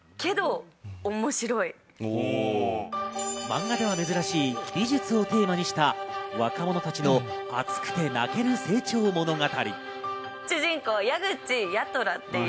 マンガでは珍しい「美術」をテーマにした若者たちの熱くて泣ける成長物語。